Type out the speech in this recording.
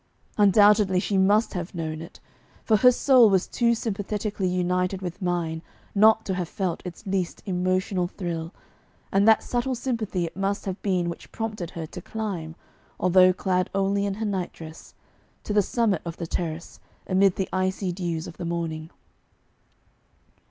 Undoubtedly she must have known it, for her soul was too sympathetically united with mine not to have felt its least emotional thrill, and that subtle sympathy it must have been which prompted her to climb although clad only in her nightdress to the summit of the terrace, amid the icy dews of the morning.